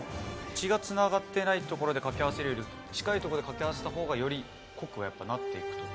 血がつながってないところで掛け合わせるより近いところで掛け合わせたほうがより濃くなって行くと。